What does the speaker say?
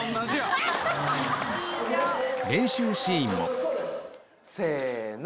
練習シーンもせの！